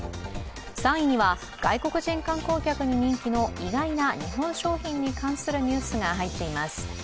３位には、外国人観光客に関する意外な日本商品に関するニュースが入っています。